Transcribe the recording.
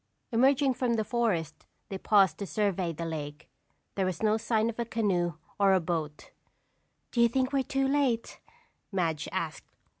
Emerging from the forest they paused to survey the lake. There was no sign of a canoe or a boat. "Do you think we're too late?" Madge asked.